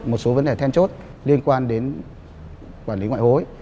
một số vấn đề then chốt liên quan đến quản lý ngoại hối